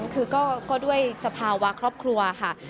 คือก็ด้วยสภาวะครอบครัวค่ะ